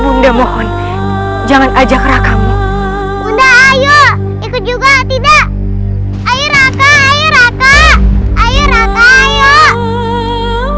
bunda mohon jangan ajak rakamu udah ayo ikut juga tidak